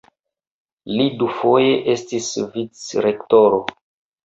Li dufoje estis vicrektoro.